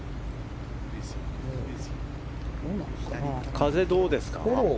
風、どうですか？